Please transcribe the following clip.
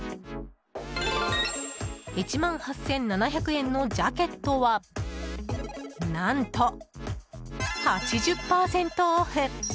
１万８７００円のジャケットは何と８０％オフ！